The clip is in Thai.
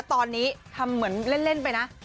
ตอนนี้ทำเหมือนเล่นไปนะ